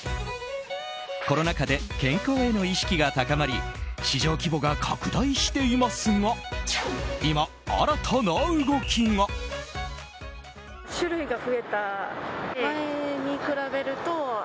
コロナ禍で健康への意識が高まり市場規模が拡大していますが今、新たな動きが。